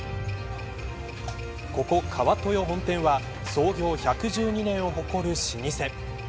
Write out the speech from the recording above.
ここ、川豊本店は創業１１２年を誇る老舗。